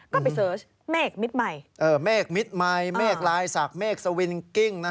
ก็ไปเซิร์ชเมฆมิตต์ใหม่เมฆมิตต์ใหม่เมฆรายสากเมฆเซอวินกิ้ง